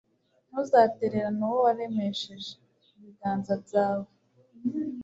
ntuzatererane uwo waremesheje ibiganza byawe